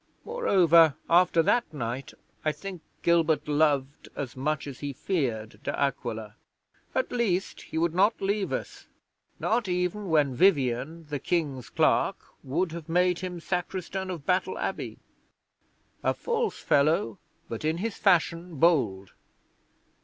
Moreover, after that night I think Gilbert loved as much as he feared De Aquila. At least he would not leave us not even when Vivian, the King's Clerk, would have made him Sacristan of Battle Abbey. A false fellow, but, in his fashion, bold.'